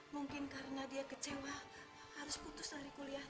mungkin karena dia kecewa harus putus dari kuliah